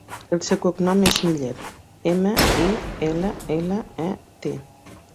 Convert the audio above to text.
El seu cognom és Millet: ema, i, ela, ela, e, te.